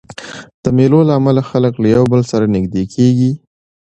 د مېلو له امله خلک له یو بل سره نږدې کېږي.